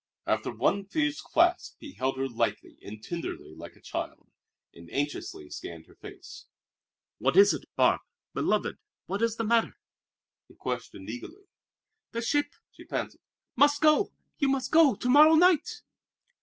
After one fierce clasp he held her lightly and tenderly like a child, and anxiously scanned her face. "What is it, Barbe, beloved? What is the matter?" he questioned eagerly. "The ship," she panted, "must go! You must go to morrow night!"